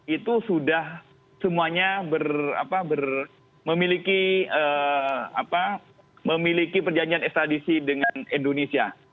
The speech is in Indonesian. itu sudah semuanya memiliki perjanjian ekstradisi dengan indonesia